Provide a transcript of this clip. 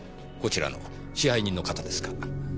こちらの支配人の方ですか？